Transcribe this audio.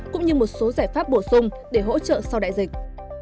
cũng như một số giải pháp bổ sung để hỗ trợ sau đại dịch